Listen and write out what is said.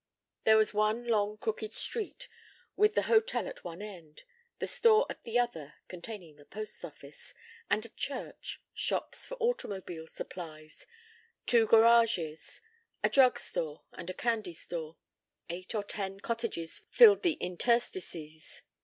There was one long crooked street, with the hotel at one end, the Store at the other (containing the post office), and a church, shops for automobile supplies, two garages, a drug store, and a candy store; eight or ten cottages filled the interstices.